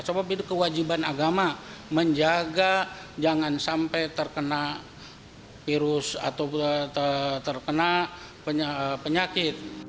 coba kewajiban agama menjaga jangan sampai terkena virus atau terkena penyakit